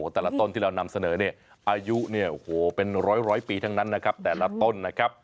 แต่ละต้นที่เรานำเสนออายุเป็นร้อยปีทั้งนั้นนะครับ